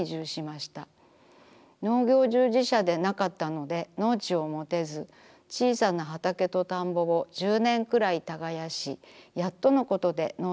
農業従事者でなかったので農地をもてずちいさな畑と田んぼを１０年くらい耕しやっとのことで農地を手に入れました。